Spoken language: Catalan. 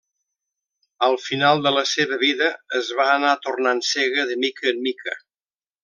Al final de la seva vida, es va anar tornant cega de mica en mica.